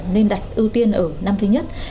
nên đặt ưu tiên ở năm thứ nhất